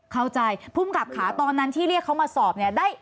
เข้าใจผู้กับขาตอนนั้นที่เรียกเขามาสอบ